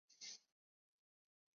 它拥有阿海珐。